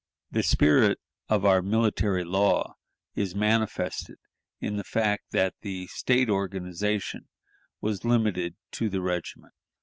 The spirit of our military law is manifested in the fact that the State organization was limited to the regiment.